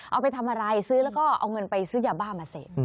เอาไปทำอะไรซื้อแล้วก็เอาเงินไปซื้อยาบ้ามาเสพ